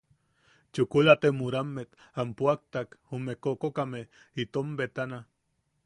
Chukula te murammet am puʼaktak jume kokokame itom betana.